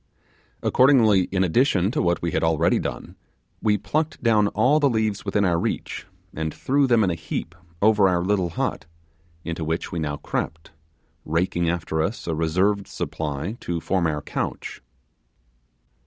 Accordingly, in addition to what we had already done, we plucked down all the leaves within our reach and threw them in a heap over our little hut, into which we now crept, raking after us a reserved supply to form our couch.